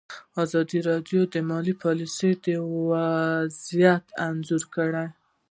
ازادي راډیو د مالي پالیسي وضعیت انځور کړی.